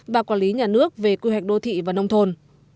và quản lý nhà nước về quy hoạch đô thị và nông thôn